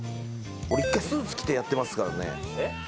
俺１回スーツ着てやってますからね。